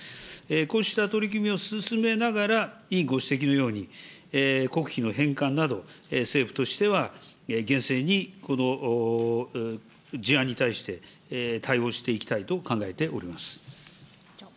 こうした取り組みを進めながら、委員ご指摘のように、国費の返還など、政府としては厳正にこの事案に対して、対応していきたいと考えております。